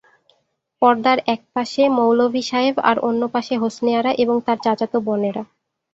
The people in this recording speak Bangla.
পর্দার একপাশে মৌলভি সাহেব আর অন্য পাশে হোসনে আরা এবং তার চাচাত বোনেরা।